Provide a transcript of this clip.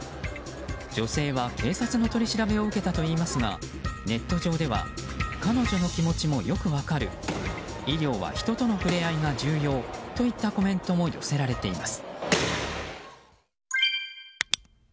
女性は警察の取り調べを受けたといいますがネット上では彼女の気持ちもよく分かる医療は人との触れ合いが重要といったコメントも寄せられています。